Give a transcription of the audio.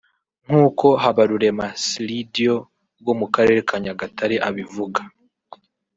nk’uko Habarurema Syldio wo mu karere ka Nyagatare abivuga